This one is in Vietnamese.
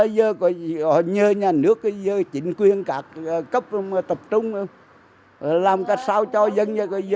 giờ nhà nước chỉnh quyền các cấp tập trung làm cách sao cho dân